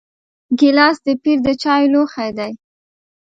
ګیلاس د پیر د چایو لوښی دی.